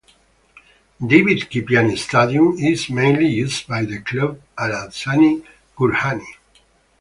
David Kipiani Stadium is mainly used by the club Alazani Gurjaani.